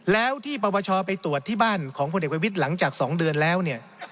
แล้วที่ปปชไปตรวจที่บ้านของพลเอกประวิทย์หลังจาก๒เดือนแล้วเนี่ย